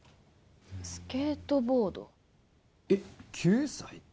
スケートボードえっ９歳？